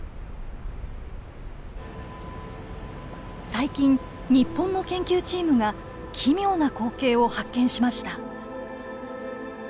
最近日本の研究チームが奇妙な光景を発見しました。